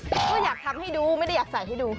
ก็อยากทำให้ดูไม่ได้อยากใส่ให้ดู